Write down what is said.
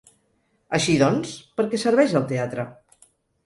Així doncs, per què serveix el teatre?